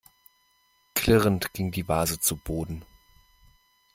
Klirrend ging die Vase zu Boden.